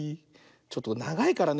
ちょっとながいからね